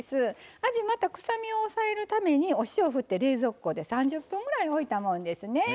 あじまた臭みを抑えるためにお塩を振って冷蔵庫で３０分ぐらいおいたもんですね。